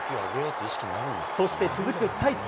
そして続くサイス。